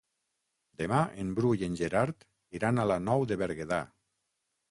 Demà en Bru i en Gerard iran a la Nou de Berguedà.